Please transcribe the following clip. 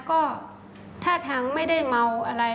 ก็ท่าทางไม่ได้เมาอะไร